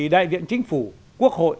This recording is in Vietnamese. đại viện chính phủ quốc hội